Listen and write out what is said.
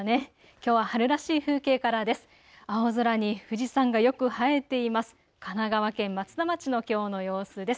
きょうは春らしい風景からです。